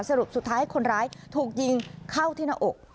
สรุปสุดท้ายคนร้ายถูกยิงเข้าที่หน้าอก